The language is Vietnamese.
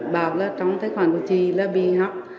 bảo là trong tài khoản của chị là bị học